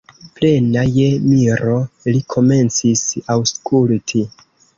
Plena je miro, li komencis aŭskulti.